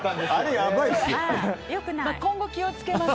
今後、気を付けます。